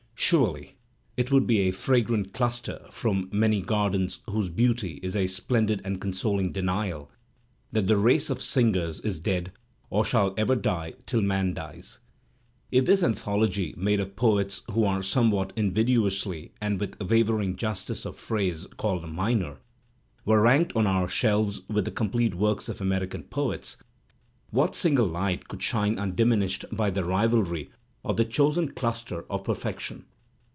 Surely it would be a fragrant cluster from many gardens whose beauty is a splendid and consoling denial that the race of singers is dead or shall ever die till man dies. If this anthology, made of poets who are somewhat invidiously and with wavering justice of phrase called minor, were ranked on our shelves with the complete works of American poets, what single Hght could shine undiminished by the rivalry of the chosen cluster of perfection?